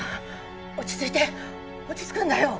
落ち着いて落ち着くんだよ！